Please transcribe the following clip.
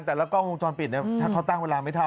กล้องวงจรปิดถ้าเขาตั้งเวลาไม่เท่า